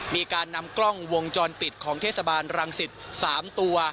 มีการนำกล้องวงจรปิดของเทศบาลรังสิต๓ตัว